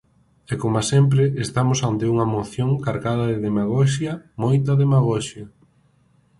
E, coma sempre, estamos ante unha moción cargada de demagoxia, moita demagoxia.